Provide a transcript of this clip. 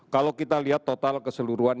kalau kita lihat total keseluruhan